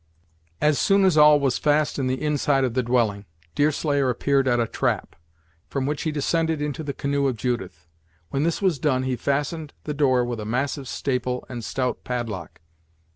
As soon as all was fast in the inside of the dwelling, Deerslayer appeared at a trap, from which he descended into the canoe of Judith. When this was done, he fastened the door with a massive staple and stout padlock.